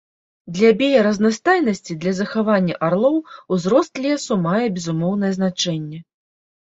Для біяразнастайнасці, для захавання арлоў узрост лесу мае безумоўнае значэнне.